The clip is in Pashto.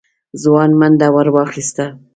ځوان منډه ور واخيسته.